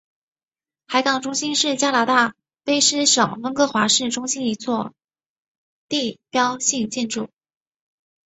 海港中心是加拿大卑诗省温哥华市中心一座地标性建筑。